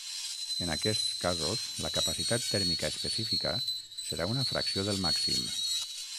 En aquests casos, la capacitat tèrmica específica serà una fracció del màxim.